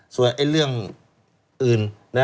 ส่วนเรื่องอื่น